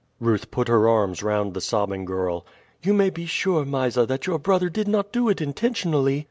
Ruth put her arms round the sobbing girl. "You may be sure, Mysa, that your brother did not do it intentionally."